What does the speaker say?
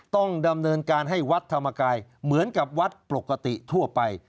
ต้องดำเนินการให้วัดธรรมกายเหมือนกับวัดปกติทั่วไป